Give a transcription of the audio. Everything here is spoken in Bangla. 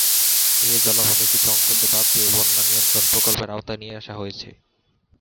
এ জলাভূমির কিছু অংশকে বাঁধ দিয়ে বন্যা নিয়ন্ত্রণ প্রকল্পের আওতায় নিয়ে আসা হয়েছে।